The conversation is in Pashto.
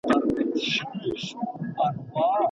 د هویت موندل د ځوانۍ لویه دنده ده.